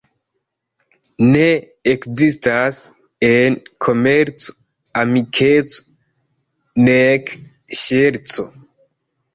Ne ekzistas en komerco amikeco nek ŝerco.